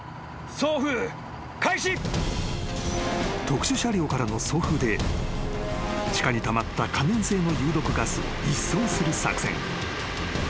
［特殊車両からの送風で地下にたまった可燃性の有毒ガスを一掃する作戦］